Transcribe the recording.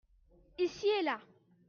Ici et là.